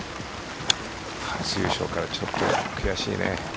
初優勝から、ちょっと悔しいね。